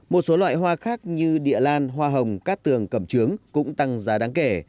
một số loại hoa khác như địa lan hoa hồng cát tường cầm trướng cũng tăng giá đáng kể